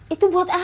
itu buat acik